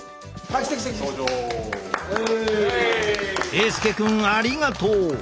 英佑くんありがとう。